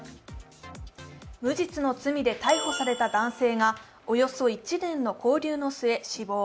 無実の罪で逮捕された男性がおよそ１年の勾留の末、死亡。